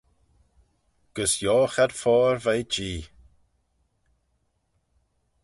Gys yioghe ad foayr veih Jee.